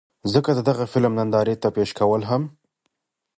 ځکه د دغه فلم نندارې ته پېش کول هم